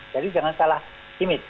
jadi jangan salah timid